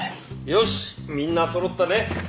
よしみんなそろったね。